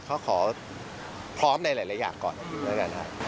ก็ขอพร้อมในหลายอย่างก่อนแล้วกันครับ